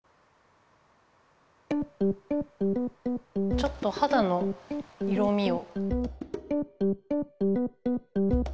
ちょっとはだの色みを。